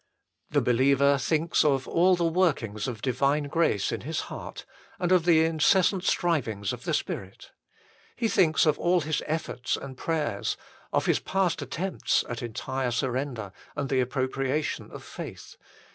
The believer thinks of all the workings of divine grace in his heart, and of the incessant strivings of the Spirit. He thinks of all his efforts and prayers, of his past attempts at entire surrender and the appropriation of faith.